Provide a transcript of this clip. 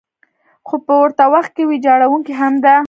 خو په ورته وخت کې ویجاړونکې هم ده.